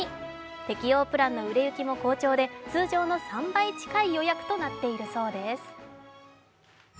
適用プランの売れ行きも好調で通常の３倍近い予約となっているそうです。